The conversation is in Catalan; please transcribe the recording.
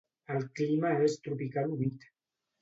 El clima és tropical humit.